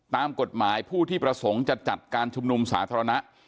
ตามกฎหมายผู้ที่ประสงค์จะจัดการชุมนุมสาธารณะ